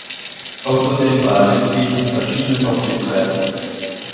Außerdem war er Mitglied in verschiedenen Aufsichtsräten.